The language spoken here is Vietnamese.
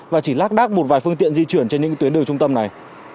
và chỉ lác đác một vài phương tiện di chuyển trên những tuyến đường trung tâm này